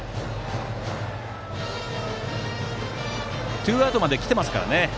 ツーアウトまで来ていますからね。